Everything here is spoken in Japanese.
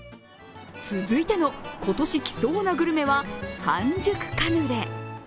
続いての今年、きそうなグルメは半熟カヌレ。